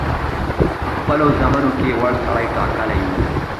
په خپلو زامنو کې وړ سړی ټاکلی وو.